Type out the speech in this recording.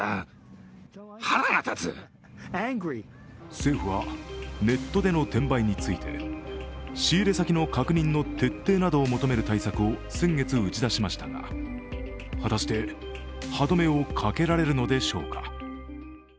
政府はネットでの転売について仕入れ先の確認の徹底などを求める対策を先月、打ち出しましたが果たして歯止めをかけられるのでしょうか。